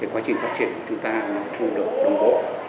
quá trình phát triển của chúng ta không được đồng bộ